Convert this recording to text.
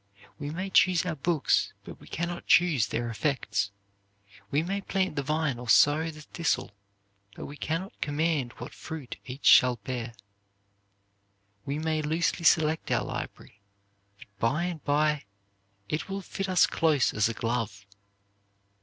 We may choose our books, but we can not choose their effects. We may plant the vine or sow the thistle, but we can not command what fruit each shall bear. We may loosely select our library, but by and by it will fit us close as a glove.